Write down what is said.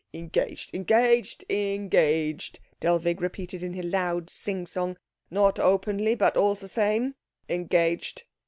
"Engaged, engaged, engaged," Dellwig repeated in a loud sing song, "not openly, but all the same engaged."